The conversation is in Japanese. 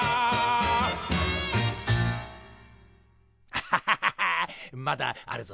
アハハハハまだあるぞ。